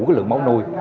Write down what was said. cái lượng máu nuôi